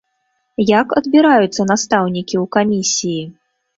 Як адбіраюцца настаўнікі ў камісіі?